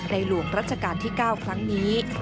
หลวงรัชกาลที่๙ครั้งนี้